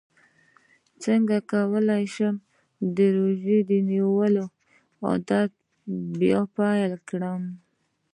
څنګه کولی شم د روژې نیولو عادت بیا پیل کړم